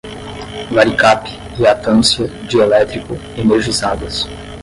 varicap, reatância, dielétrico, energizadas